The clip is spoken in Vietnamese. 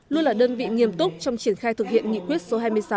luôn là đơn vị nghiêm túc trong triển khai thực hiện nghị quyết số hai mươi sáu